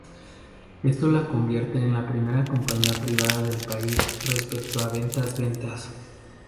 Esto la convierte en la primera compañía privada del país respecto a ventas ventas.